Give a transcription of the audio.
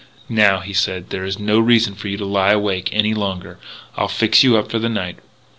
"Now," he said, "there is no reason for you to lie awake any longer. I'll fix you up for the night."